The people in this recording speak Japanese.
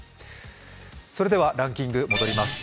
それではランキング、戻ります。